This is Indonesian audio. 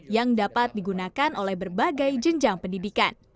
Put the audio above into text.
yang dapat digunakan oleh berbagai jenjang pendidikan